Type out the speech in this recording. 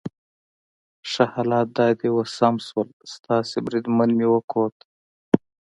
ښه، حالات دا دي اوس سم شول، ستاسي بریدمن مې وکوت.